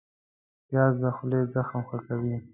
پیاز د خولې زخم ښه کوي